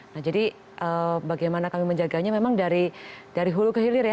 nah jadi bagaimana kami menjaganya memang dari hulu ke hilir ya